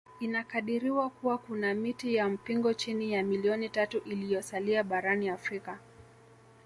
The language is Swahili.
Inakadiriwa kuwa kuna miti ya mpingo chini ya milioni tatu iliyosalia barani Afrika